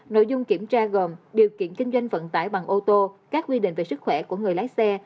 nội dung kiểm tra gồm điều kiện kinh doanh vận tải bằng ô tô các quy định về sức khỏe của người lái xe